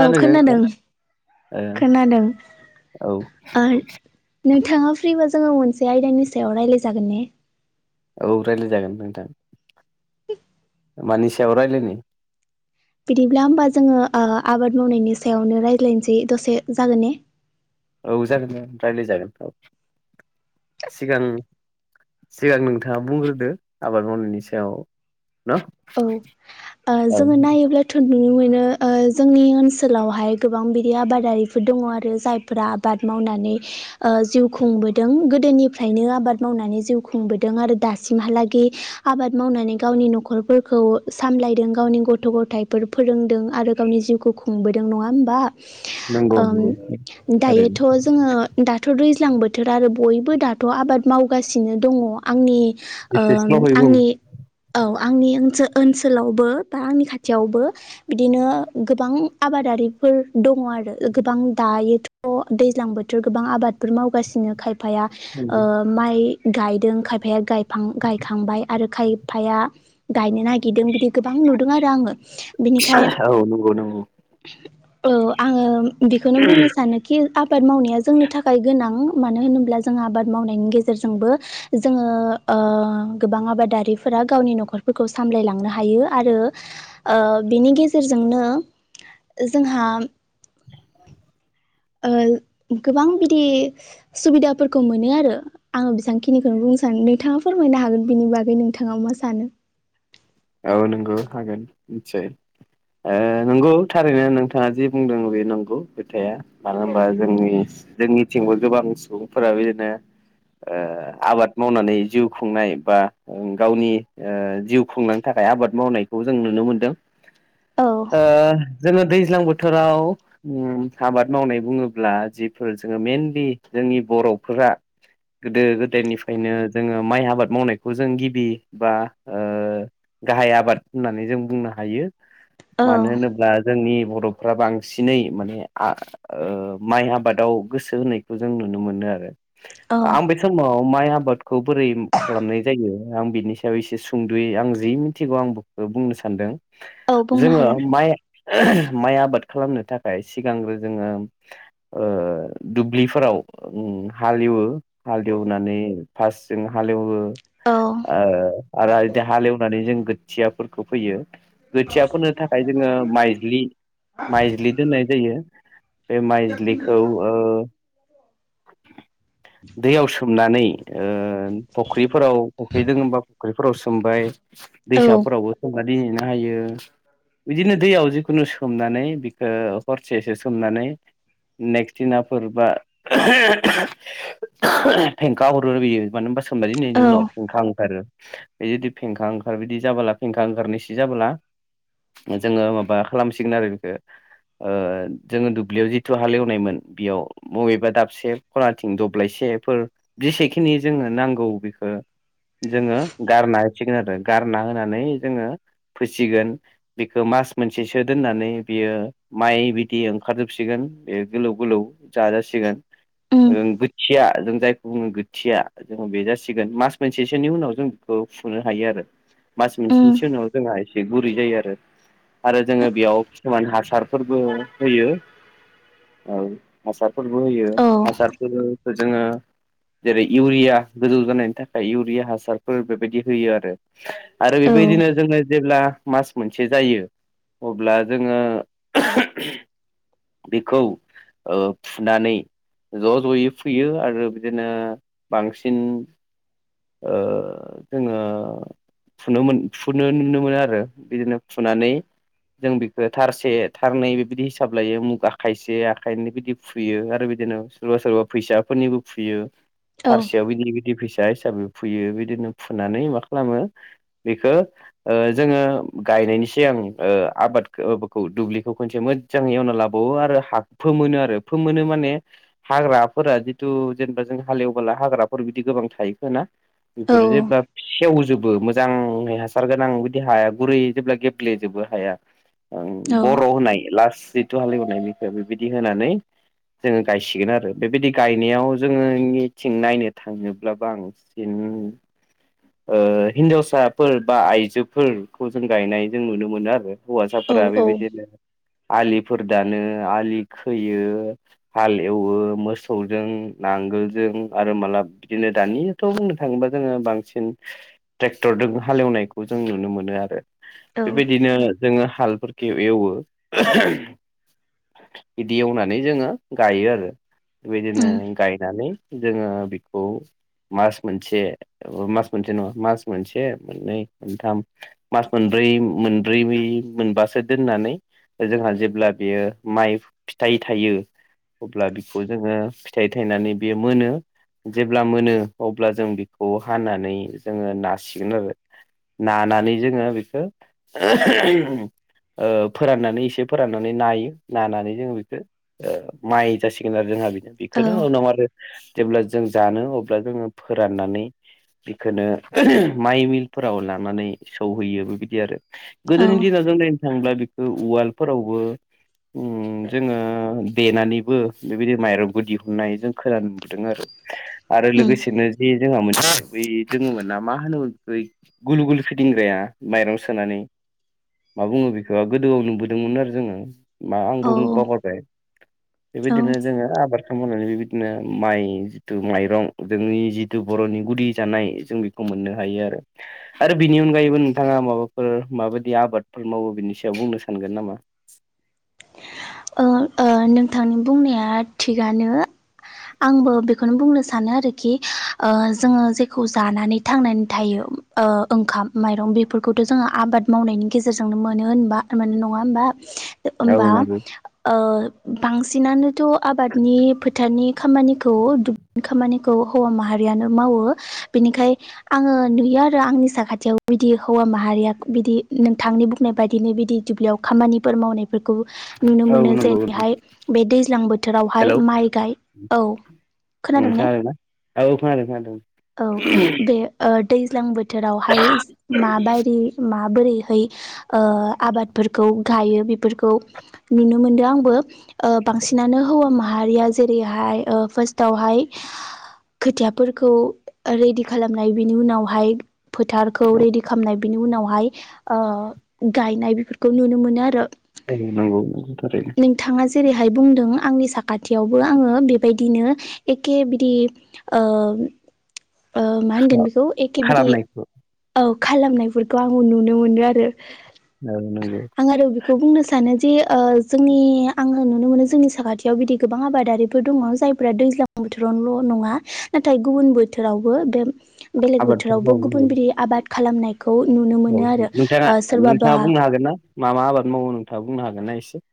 औ खोनादों नोङो खोनादों ओ औ। नोंथांङा फ्रिबा जोंङो मोनसे आयदानि सायाव रायलाय जागोन ने। औ रायलाय जागोन नोंथां। [inaudible] मानि सायाव रायलायनि बिदिब्ला ओमबा जोंङो ओ‌ आबाद मावनायनि सायावनो रायज्लायनोसै दसे जागोन ने। औ जागोन दे रायलाय जागोन औ सिगां सिगां नोंथांङा बुंग्रोदो आबाद मावनायनि सायाव। न औ ओ औ जोंङो नायोब्ला थ नुनो मोननो। ओ जोंनि ओनसोलावहाय गोबां बिदि आबादारिफोर दंङ आरो जायफोरा आबाद मावनानै। ओ जिउ खुंबोदों गोदोनिफ्रायनो आबाद मावनानै जिउ खुंबोदों आरो दासिमहालागि। आबाद मावनानै गावनि न'खर। फोरखौ सामलायदों गावनि गथ' गथायाइफोर फोरोंदों आरो गावनि जिउखौ खुंबोदों नङा ओमबा। नंगौ ओं नंगौ थारैनो दायोथ' जोंङो दाथ' दै ज्लां बोथोर आरो बयबो दाथ आबाद मावगासिनो दंङ आंनि एसे ओम स्ल'है बुं आंनि औ आ ओनसो ओनसोलावबो बा आंनि खाथियावबो बिदिनो गोबां आबादारिफोर। दंङ आरो ओ गोबां दायोथ दैज्लां बोथोर गोबां आबादफोर मावगासिनो खाय फाया औ ओ माइ गायदों खायफाया गायफां गायखांबाय आरो खायफाया गायनो नागि गिरदों बिदि गोबां नुदों आरो आंङो बिनिखाय नंगौ नंगौ औ आंङो बिखोनो बुंनो सानोखि आबाद मावनाया जोंनि थाखाय गोनां। मानो होनोब्ला जों आबाद मावनायनि गेजेरजोंबो जोङो ओ गोबां आबादारिफोर दा गावनि न'खरफोरखौ सामलायलांनो हायो आरो ओ बिनि गेजेरजोंनो जों [unintelligible] ओ। ओ गोबां बिदि सुबिदाफोरखौ मोनो आरो आंङो बिसांखिनिखोन बुंनो सानो नोंथां। थांङा फोरमायनो हागोन बिनि बागै नोंथांङा मा सानो। औ नोंगौ हागोन निथसय। ओ नोंगौ थारैनो नोंथांङा जि बुंदों बि नोंगौ खोथाया मानो होनबा जोंनि जोंनिथिंबो गोबां सुबुंफोरा बिदिनो ओ आबाद मावनानै जिउ खुंनाय बा ओं गावनि ओ जिउ खुंनां थाखाय आबाद मावनायखौ जों नुनो मोनदों। औ ओ जोंङो दैज्लां बोथोराव उम आबाद मावनाय बुंङोब्ला जिफोर जोंङो मेनलि जोंनि बर'फोरा गोदो गोदायनिफ्रायनो जोंङो माइ आबाद मावनायखौ जों गिबि बा ओ गाहाय आबाद होननानै जों बुंनो हायो औ मानो होनोब्ला जोंनि बर' रबफ्रा बांसिनै माने आ ओ माइ आबादाव गोसो होनायखौ जों नुनो मोनो आरो औ आं बे समाव माइ आबादखौ बोरै खालामनाय जायो आं बिनि सायाव एसे सुंदुयै आं जि मिन थिगौ आं बु ओ बुंनो सानदों औ बुंनो जोंङो हागोन माइ माइ आबाद खालामनो थाखाय सिगांग्रो जोंङो ओ दुब्लिफोराव उम उम हालेवो हालेवनानै फास जों हालेवो। ओ औ आरो इदि हालेवनानै जों गोथियाफोरखौ फोयो। खोथिया फोनो थाखाय जोंङो माइज्लि माइज्लि दोननाय जायो बे माइज्लिखौ ओ दैयाव सोमनानै ओन फख्रिफोराव फख्रिदोंङोबा फख्रि फ्राव सोमबाय - औ हायो बिदिनो दैयाव जिखुनु सोमनानै बिखौ हरसेसो सोमनानै नेक्ट दिनाफोरबा फेंखा हरो बियो मानो होनबा होनबा दिनैनि औ उनाव फेंखा ओंखारो बे जुदि फेंखा ओं आर बिदि जाबोला फेंखा ओंखारनो सि जाबोला जोंओ माबा खालामसिगोन आरो बेखो ओ जोङो दुब्लियाव जिथु हालेवनायमोन बेयाव बबेबा दाबसे खनाथिं दब्लायसे बेफोर जेसेखिनि जोंनो नांगौ बेखौ जोंओ गारना हसिगोन आरो गारना होनानै जोङो फोसिगोन बेखौ मास मोनसेसो दोननानै बियो माइ बिदि ओंखारजोबसिगोन बे गोलाव गोलाव जाजासिगोन उम ओं गोथिया जों जायखौ बुङो गोथिया जोङो बे जासिगोन मास मोनसेसोनि उनाव जों बेखौ फुनो हायो आरो मास उम मोनसेसोनि उनाव जोंहाय एसे गुरै जायो आरो आरो जोङो बेयाव खिसुमान हासारफोरबो होयो औ हासारफोरबो होयो औ हासारफोरखौ जोंओ जेरै इउरिया गोजौ जानायनि थाखाय इउरिया हासारफोर बेबायदि होयो आरो आरो औ बेबायदिनो जोंओ जेब्ला मास मोनसे जायो अब्ला जोंओ बेखौ ओ फुनानै ज' ज'यै फुयो आरो आरो बिदिनो बांसिन ओ जोंओ फुनोमोन फुनो नुनो मोनो आरो बिदिनो फुनानै जों बेखौ थारसे थारनै बिबायदि हिसाब लायो मुगा आखायसे आखाइनि बिदि फुयो आरो बिदिनो सोरबा सोरबा फैसाफोरनिबो फुयो। औ थारसेयाव बिदि बिदि फैसा सा हिसाबै फुयो बिदिनो फुनानै मा खालामो बेखौ जोंओ गा यनायनि सिगां ओ आबादखो ओ माबाखौ दुब्लिखौ खनसे मो जों एवना लाबावो आरो हाखौ फोमोनो आरो फोमोनो माने हाग्राफोरा जिथु जेनेबा हालएवब्ला हाग्राफोर बिदि गोबां थायैफोरना औ बेफोर जेब्ला सेवजोबो जां हासार गोनां बिदि हाया गुरै जेब्ला गेब्ले जबो हाया बर' होनाय लास जिथु हालेवनाय बिखो बेबायदि होनानै जोङो गायसिगोन आरो बेबायदि गायनायाव जोङोनिथिं नायनो थाङोब्ला बांसिन [unintelligible] ओ हिन्जावसाफोर बा आइजोफोरखौ जों गायनाय जों नुनो मोनो आरो। औ हौवासाफोरा औ बिबादिनो। आलिफोर दानो आलि खोयो हाल एवो मोसौजों नां गोल जों आरो मालाब बिदिनो दानियाथ' बुंनो थाङोबा जोङो बांसिन ट्रेक्टर दों हालेवनायखौ जों नुनो मोनो आरो औ बेबायदिनो जोङो हालफोरखौ एवो। बिदि एवनानै जोङो गायो आरो। बेदिनो उम गायनानै। जोङो बिखौ मास मोनसे मास मोनसे नङा मास मोनसे मोननै मोनथाम मास मोनब्रै, मोनब्रै बै मोनबासो दोननानै जोंहा जेब्ला बेयो माइ फिथाइ थायो अब्ला बिखौ जोङो फिथाइ थायनानै बे मोनो। जेब्ला मोनो अब्ला जों बेखौ हानानै जोङो नासिगोन आरो। नानानै जोङो बेखौ ओ फोराननानै एसे फोराननानै नायो नानानै जों बेखौ ओ माइ जासिगोन आरो जोंहा औ बेखौनो उनाव आरो जेब्ला जों जानो अब्ला जोङो फोराननानै। बेखौनो माइ मिलफोराव लानानै सौहैयो बेबायदि आरो। गोदोनि औ दिनावजों नायनो थाङोब्ला बेखौ उवालफोरावबो उम जोङो देनानैबो बेबायदि माइरंबो दिहुननाय जों खोनानो मोनबोदों आरो। [unintelligible] आरो लोगोसेनो जि जोंहा मोनसे बै दोङोमोन ना मा होनोमोन बै गुलु गुलु फिदिंग्राया माइरं सोनानै। मा बुंङो बिखौ गोदोयाव नुबोदोंमोन आरो जोङो मा औ आंबो ओं बावगारबाय ओ बेबायदिनो जोङो आबाद [inaudible] बिदिनो माइ जिथु माइरं जोंनि जिथु बर'नि गुदि जानाय जों बेखौ मोननो हायो आरो बिनि अनगायैबो नोंथाङा माबाफोर माबादि आबादफोर मावो बिनि सो याव बुंनो सानगोन नामा ओ ओ नोंथांनि बुंनाया थिगानो। आंबो बेखौनो बुंनो सानो आरोखि ओ जोङो जेखौ जानानै थांनानै थायो। ओ ओंखाम माइरं बेफोरखौथ' जोङो आबाद मावनायनि गेजेरजोंनो मोनो होनबा मोन नङा होमबा? औ ओमबा नंगौ ओ बांसिनानो थ' आबादनि फोथारनि खामानिखौ दुब खामानिखौ हौवा माहारियानो मावो बेनिखाय आङो नुयो आरो आंनि साखाथियाव दि हौवा माहारिया बिदि नोंथांनि बुंनाय बायदिनो बिदि दुब्लियाव खामानिफोर मावनायफोरखौ नुनो औ मोनो नंगौ जेरैहाय बे दैज्लां बोथोरावहाय हेलौ माइ गाय औ। [unintelligible] खोनादों ने औ खोनादों खोनादों औ बे ओ दैज्लां बोथोरावहाय माबायरि माबोरैहै ओ आबादफोरखौ गायो बेफोरखौ नुनो मोनदों आंबो। ओ बांसिनानो हौवा माहारिया जेरैहाय ओ फार्स्टावहाय खोथियाफोरखौ रेडि खालामनाय बिनि उनावहाय फोथारखौ रेडि खालामनाय बिनि उनावहाय ओ गायनाय बेफोरखौ नुनो मोनो आरो। औ नंगौ थारै नोंथाङा जेरैहाय बुंदों आंनि साखाथियावबो आङो बेबायदिनो एखे बिदि ओ ओ ओ मा होनगोन बेखौ एखे बिदि खालामनायखौ औ खालामनायफोरखौ आंबो नुनो मोनो आरो। औ नंगौ आं आरो बेखौ बुंनो सानो जे ओ जोंनि आङो नुनो मोनो जोंनि साखाथियाव बिदि गोबां आबादारिफोर दङ जायफ्रा दैज्लां बोथोराव ल नङा नाथाय गुबुन बोथोरावबो बे बेलेग आबादफोर बोथोरावबो मावो गुबुन बिरि आबाद खालामनाय औ नोंथाङा नोंथाङा बुंनो हागोन ना मा मा आबाद मावो नोंथाङा बुंनो हागोन ना एसे?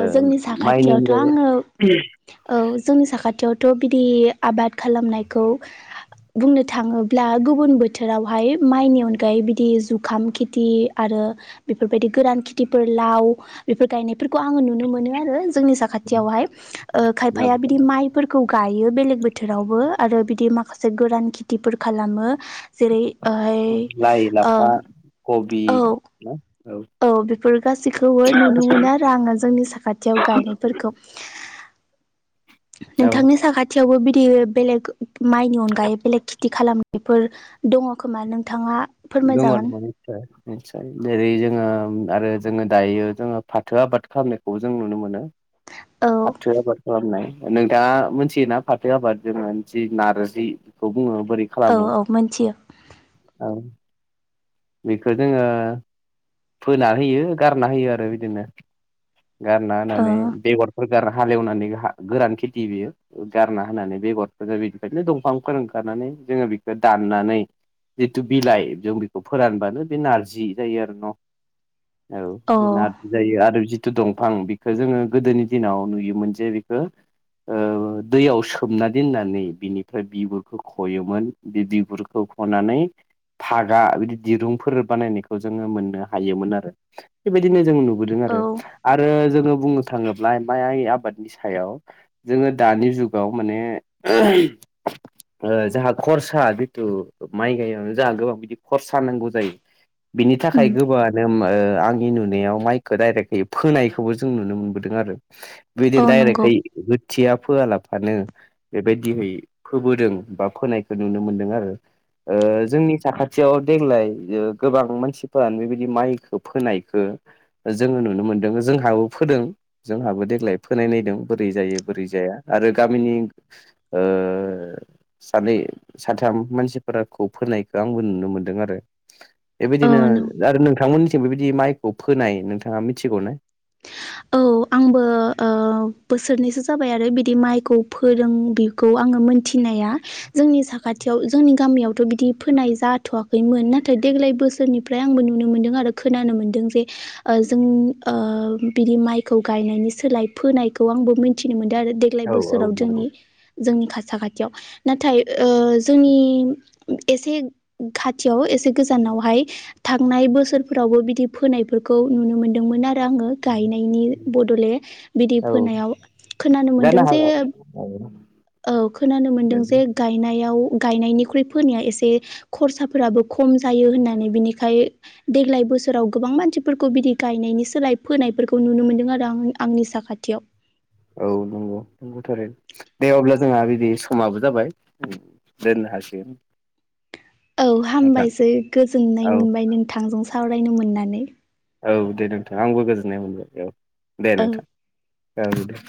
ओ जोंनि माइनि साखाथियावथ अनगायै आङो औ जोंनि साखाथियाव थ बिदि आबाद खालामनायखौ बुंनो थाङोब्ला गुबुन बोथोरावहाय माइनि अनगायै बिदि जुखाम खिथि आ- रो बेफोरबायदि गोरान खिथिफोर लाउ बेफोर गायनाय फोरखौ आङो नुनो मोनो आरो जोंनि साखाथियावहाय ओ खायफाया बिदि माइफोरखौ गायो बेलेग बोथोरावबो आरो बिदि माखासे गोरान खेथिफोर खालामो। जेरै हाय लाइ ओ लाफा कबि औ औ बेफोर गासैखौबो नुनो मोनो आरो आङो जोंनि साखाथियाव गायनायफोरखौ। औ नोंथांनि साखाथि- यावबो बिदि बेलेग माइनि अनगायै बेलेग खेथि खालामनायफोर दङ खोमा नों - दङ दङ निस्सय निस्सय जेरै जोङो ओं आरो जोङो दायो जोङो फाथो आबाद खालामनायखौ जों नुनो मोनो। औ फाथो आबाद खालामनाय। नोंथाङा मोनथियोना? फाथो आबाद जोङो थि नारजिखौ बुङो बोरै औ खालामो औ मोनथियो औ बेखौ जोङो फोनानै होयो गारना होयो आरो बिदिनो। गारना औ होनानै बेगरफोर गार हालेवनानै हा गोरान खेथि बेयो गारना होनानै बेगरफोर [unintelligible] दंफांफोर ओं - माने जोङो बेखौ दाननानै जिथु बिलाइ जों बेखौ फोरानबानो बे नारजि जायो आरो न'। औ बि नारजि जायो आरो जि थु दंफां बिखौ जोङो गोदोनि दिनाव नुयोमोन जे बिखौ ओ दैयाव सोमना दोननानै बिनिफ्राय बिगुरखौ खयोमोन बे बिगुरखौ खनानै फागा बिदि दिरुंफोर बानायनायखौ जोङो मोननो - हायोमोन आरो । बेबायदिनो जों नुबोदों औ आरो आरो जोङो बुंनो थाङोब्ला माइ आबादनि सायाव जोङो दानि जुगाव माने [inaudible] ओ जोंहा खरसा जिथु माइ गायिआवनो जोंहा गोबां बिदि खरसा नांगौ जायो। बिनि उम थाखाय [unintelligible] ओ आंनि नुनायाव माइखौ डाइरेक्टयै फोनायखौबो जों नुनो मोनबोदों आरो। बेदि औ नंगौ डाइरेक्टयै थिया फोआलाफानो बेबायदिहै फोबोदों बा फोनायखौ नुनो मोनदों आरो। ओ जोंनि साखाथियाव देग्लाय ओ गोबां मानसि - फोरानो बेबायदि माइखौ फोनायखौ जोङो नुनो मोनदों जोंहाबो फोदों जोंहाबो - देग्लाय फोनाय नायदों बोरै जायो बोरै जाया आरो गामिनि ओ सानै साथाम मानसिफोराखौ फोनायखौ आंबो नुनो मोनदों आरो बेबायदिनो औ नोंथांमोननिथिंबो बेबायदि माइखौ फोनाय नोंथाङा मिथिगौ ना? औ आंबो ओ औ बोसोरनैसो जाबाय आरो बिदि माइखौ फोरों बेखौ आङो मोनथिनाया । जोंनि साखाथियाव जोंनि गामियावथ' बिदि फोनाय जाथ'वाखैमोन नाथाय देग्लाय बोसोरनिफ्राय आंबो नुनो मोनदों। आरो खोनानो मोनदों जे ओ जोंनि ओ बिदि माइ खौ गायनायनि सोलाय फोनायखौ आंबो मिथिनो मोनदों आरो देग्लाय औ औ बोसोराव नंगौ जोंनि जोंनि खा साखाथियाव नाथाय ओ जोंनि एसे खाथियाव एसे गोजान नावहाय थांनाय बोसोरफोरावबो बिदि फोनायफोरखौ नुनो मोनदोंमोन आ रो आङो गायनायनि दले बिदि औ फोनायाव खोनानो जानो मोनदों जे हागौ औ खोनानो मोनदों औ जे गायनाय याव गायनायनिख्रुइ फोनाया एसे खरसाफोराबो खम जायो होननानै बिनिखाय देग्लाय बोसोराव गोबां मानसिफोरखौ बिदि गायनायनि सोलाय फोनायफोरखौ नुनो मोनदों आरो रां आंनि साखाथियाव औ नंगौ नंगौथ' आरो दे अब्ला जोंहा बिदि समाबो जाबाय दोन हसिम औ हामबायसै गोजोननाय औ मोनबाय नोंथांजों सावरायनो मोननानै औ दे नोंथां आंबो गोजोननाय मोनबाय औ दे औ नोंथां ओं दे